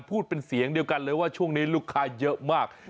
พูดเป็นเสียงเดียวกันเลยว่าช่วงนี้ลูกค้าเยอะมาก